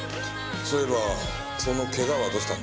そういえばその怪我はどうしたんだ？